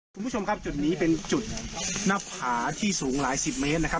คุณผู้ชมครับจุดนี้เป็นจุดหน้าผาที่สูงหลายสิบเมตรนะครับ